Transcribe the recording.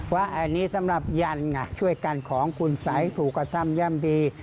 ว่าอันนี้สำหรับยันไงช่วยกันของคุณสัยถูกกระซ่ำย่ำดี